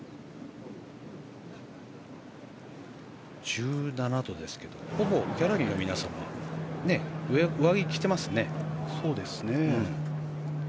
１７度ですけどほぼギャラリーの皆さんは上着を着ていましたね。